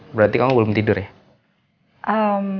berarti kamu belum tidur ya